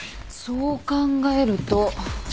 そう考えると。